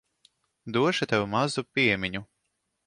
Došu tev mazu piemiņu.